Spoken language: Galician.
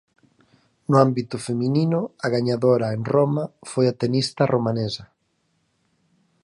No ámbito feminino, a gañadora en Roma foi a tenista romanesa.